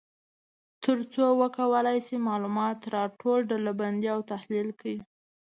تر څو وکولای شي معلومات را ټول، ډلبندي او تحلیل کړي.